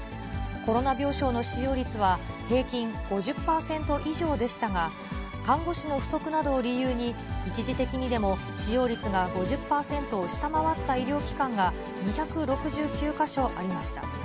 コロナ病床の使用率は、平均５０％以上でしたが、看護師の不足などを理由に、一時的にでも使用率が５０％を下回った医療機関が、２６９か所ありました。